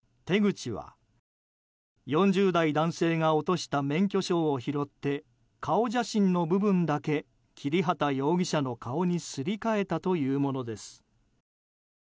手口は、４０代男性が落とした免許証を拾って顔写真の部分だけ切畑容疑者の顔にすり替えたというものです。